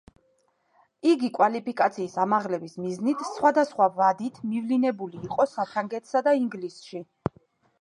იგი კვალიფიკაციის ამაღლების მიზნით სხვადასხვა ვადით მივლინებული იყო საფრანგეთსა და ინგლისში.